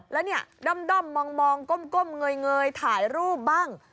แล้วเนี่ยด้อมมองก้มเงยถ่ายรูปบ้าง